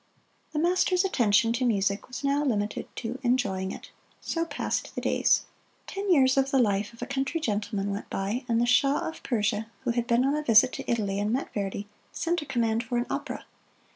The master's attention to music was now limited to enjoying it. So passed the days. Ten years of the life of a country gentleman went by, and the Shah of Persia, who had been on a visit to Italy and met Verdi, sent a command for an opera.